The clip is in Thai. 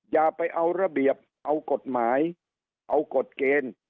อย่าไปเอาระเบียบเอากฎหมายเอากฎเกณฑ์